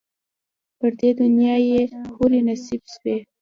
پر دې دنیا یې حوري نصیب سوې